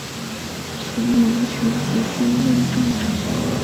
曾荫权及新任行政长官梁振英陪同胡锦涛参加各项仪式。